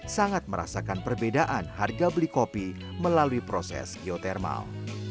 sangat merasakan perbedaan harga beli kopi melalui proses geotermal